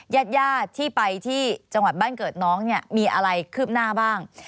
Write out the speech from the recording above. ยาดที่ไปที่จังหวัดบ้านเกิดน้องมีอะไรคืบหน้าบ้าง